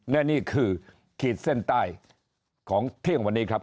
และนี่คือขีดเส้นใต้ของเที่ยงวันนี้ครับ